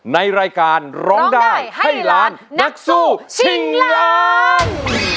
ในรายการร้องได้ให้ล้านนักสู้ชิงล้าน